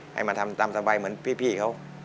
ให้มาทำตามสบายเหมือนพี่เขา